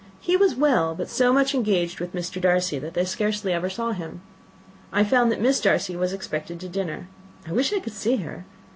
He was well, but so much engaged with Mr. Darcy that they scarcely ever saw him. I found that Miss Darcy was expected to dinner: I wish I could see her.